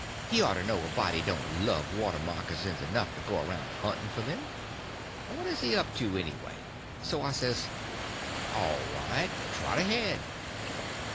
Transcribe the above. He oughter know a body don't love water moccasins enough to go around hunting for them. What is he up to, anyway? So I says: "All right; trot ahead."